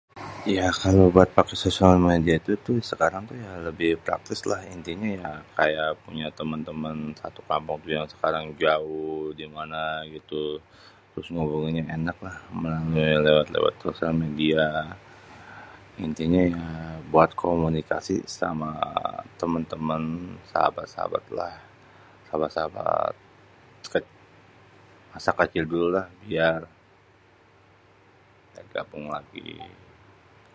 Iya kalo buat paké sosial media itu tuh sekarang tuh ya lebih praktis lah. Intinya ya kayak punya temen-temen satu kampung tuh yang sekarang jauh, di mana gitu. Terus ngobrolnya enaklah melalui, lewat-lewat sosial media. Intinya ya buat komunikasi sama temen-temen, sahabat-sahabat lah. Sahabat-sahabat deket, masa kecil dulu lah, biar bergabung lagi.